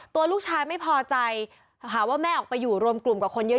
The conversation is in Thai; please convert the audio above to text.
ตัวลูกชายไม่พอใจหาว่าแม่ออกไปอยู่รวมกลุ่มกับคนเยอะ